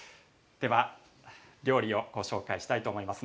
料理をご紹介したいと思います。